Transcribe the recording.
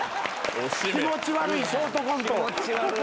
気持ち悪いショートコント。